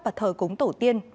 và thờ cúng tổ tiên